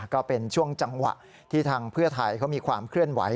ก็เป็นช่วงจังหวะที่ทางเพื่อไทยเขามีความเคลื่อนไหว